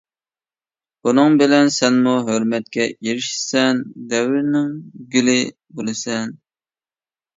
بۇنىڭ بىلەن سەنمۇ ھۆرمەتكە ئېرىشىسەن، دەۋرنىڭ گۈلى بولىسەن.